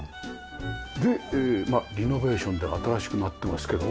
でリノベーションで新しくなってますけども。